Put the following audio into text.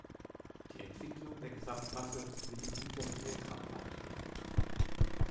Die Entwicklung der Gesamtmasse wird im unteren Diagramm dargestellt.